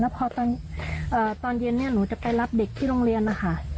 พอตอนเย็นหนูจะไปรับเด็กที่โรงเรียนนะคะ